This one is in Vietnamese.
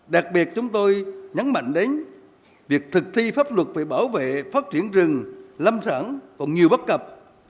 đặc biệt chúng tôi nhắn mạnh đến việc thực thi pháp luật về bảo vệ phát triển rừng lâm sản còn nhiều bất cập